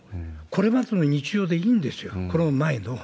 これまでの日常でいいんですよ、コロナ前の。